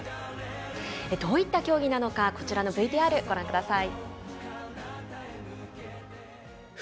どういった競技なのかＶＴＲご覧ください。